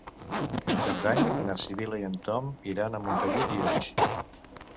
Per Cap d'Any na Sibil·la i en Ton iran a Montagut i Oix.